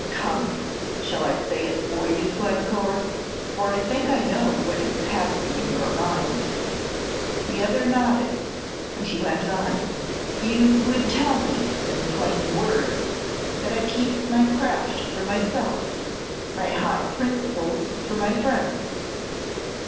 "Come, shall I say it for you, Glencore? for I think I know what is passing in your mind." The other nodded, and he went on, "You would tell me, in plain words, that I keep my craft for myself; my high principle for my friends."